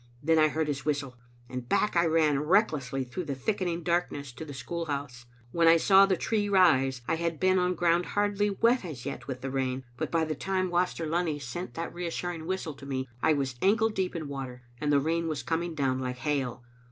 Then I heard his whistle, and back I ran recklessly through the thickening darkness to the school house. When I saw the tree rise, I had been on ground hardly wet as yet with the rain ; but by the time Wftst^r Lunny sent that reassuring whistle to me I was Digitized by VjOOQ IC XCbe (3len at Jiteafi ot Dai?. 887 ankle deep in water, and the rain was coming down like hail.